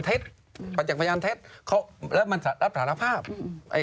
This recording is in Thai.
เท็ตปัจจักรพยานเท็ตเขาแล้วมันรับสารภาพอร์บไอ้